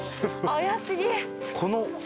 怪しげ。